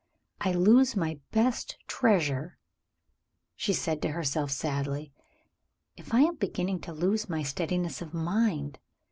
"I lose my best treasure," she said to herself sadly, "if I am beginning to lose my steadiness of mind.